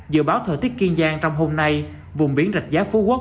dự báo thời tiết kiên giang trong hôm nay vùng biển rạch giá phú quốc